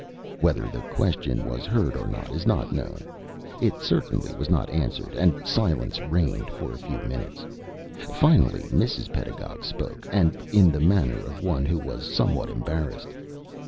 Whether the question was heard or not is not known. It certainly was not answered, and silence reigned for a few minutes. Finally Mrs. Pedagog spoke, and in the manner of one who was somewhat embarrassed.